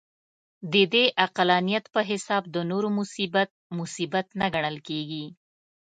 د دې عقلانیت په حساب د نورو مصیبت، مصیبت نه ګڼل کېږي.